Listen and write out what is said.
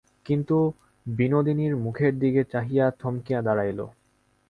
কিন্তু বিনোদিনীর মুখের দিকে চাহিয়া থমকিয়া দাঁড়াইল।